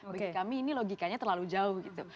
bagi kami ini logikanya terlalu jauh gitu